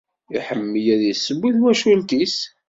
Iḥemmel ad yesseww i twacult-nnes.